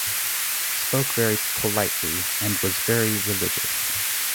Spoke very politely and was very religious.